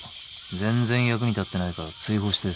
全然役に立ってないから追放して。